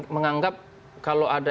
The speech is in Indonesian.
menganggap kalau ada